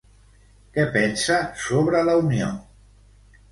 Què pensa sobre la unió?